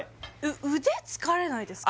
腕疲れないですか？